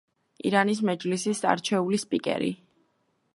ირანის მეჯლისის არჩეული სპიკერი.